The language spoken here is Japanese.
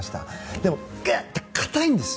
でもぐっと硬いんです。